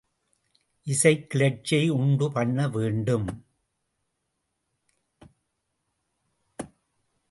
இசை, கிளர்ச்சியை உண்டு பண்ணவேண்டும்.